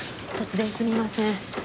突然すみません。